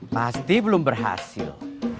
pasti belum berhasil